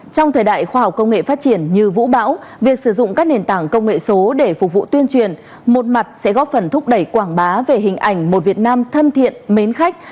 trong thời đại khoa học công nghệ phát triển như vũ bão việc sử dụng các nền tảng công nghệ số để phục vụ tuyên truyền một mặt sẽ góp phần thúc đẩy quảng bá về hình ảnh một việt nam thân thiện mến khách